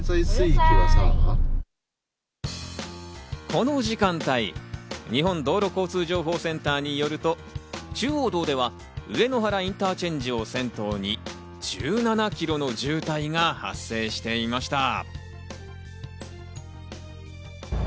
この時間帯、日本道路交通情報センターによると、中央道では上野原インターチェンジを先頭に１７キロの渋滞が発生していました。